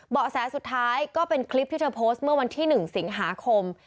แสสุดท้ายก็เป็นคลิปที่เธอโพสต์เมื่อวันที่๑สิงหาคม